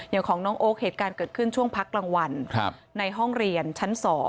อย่างของน้องโอ๊คเหตุการณ์เกิดขึ้นช่วงพักกลางวันในห้องเรียนชั้น๒